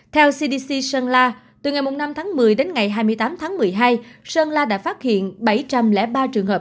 theo cdc sơn la từ ngày năm tháng một mươi đến ngày hai mươi tám tháng một mươi hai sơn la đã phát hiện bảy trăm linh ba trường hợp